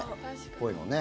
こういうのね。